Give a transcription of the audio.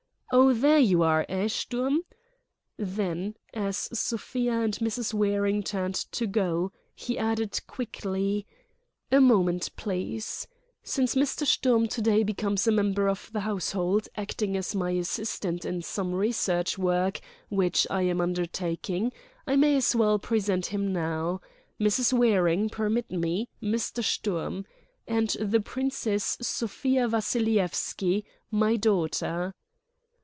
"Oh, there you are, eh, Sturm?" Then, as Sofia and Mrs. Waring turned to go, he added quickly: "A moment, please. Since Mr. Sturm to day becomes a member of the household, acting as my assistant in some research work which I am undertaking, I may as well present him now. Mrs. Waring, permit me: Mr. Sturm. And the Princess Sofia Vassilyevski, my daughter